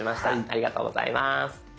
ありがとうございます。